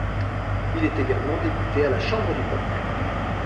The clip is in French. Il est également député à la Chambre du peuple.